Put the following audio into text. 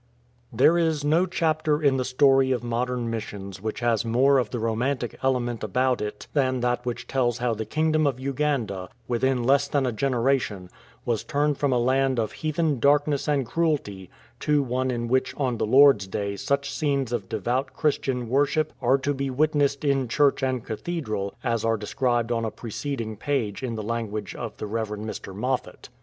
THERE is no chapter in the story of modern missions which has more of the romantic element about it than that which tells how the Kingdom of Uganda, within less than a generation, was turned from a land of heathen darkness and cruelty to one in which on the Lord's Day such scenes of devout Christian worship are to be witnessed in church and cathedral as are described on a preceding page in the language of the Rev. Mr. Moffat.